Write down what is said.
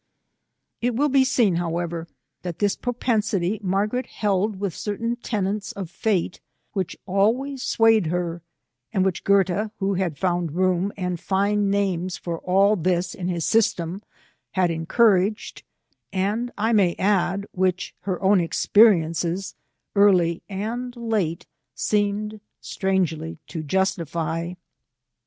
It will be seen, however, that this propensity Margaret held with certain tenets of fate, which always swayed her, and which Goethe, who had found room and fine names for all this in his system, had encouraged : and, I may add, which her own experiences, early and late, seemed strangely to justify.